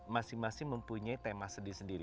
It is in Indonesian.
masing masing mempunyai tema sendiri sendiri